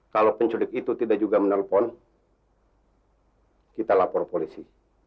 kalau penculik itu tidak juga menelpon kita lapor polisi